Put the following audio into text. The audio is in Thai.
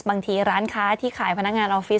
บางทีร้านค้าที่ขายพนักงานออฟฟิศ